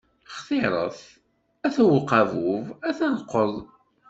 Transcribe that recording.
Xtiṛet: a-t-a uqabub, a-t-a llqeḍ!